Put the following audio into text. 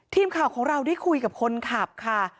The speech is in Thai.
ทีมข่าวของเราได้คุยกับคนขับค่ะ